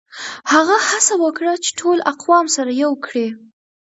هغه هڅه وکړه چي ټول اقوام سره يو کړي.